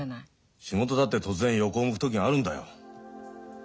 仕事だって突然横を向く時があるんだよ。